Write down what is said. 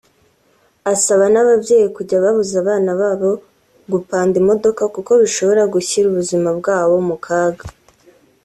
asaba n’ababyeyi kujya babuza abana babo gupanda imodoka kuko bishobora gushyira ubuzima bwabo mu kaga